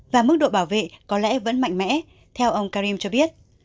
và mức độ bảo vệ có lẽ vẫn mạnh mẽ theo ông karim cho biết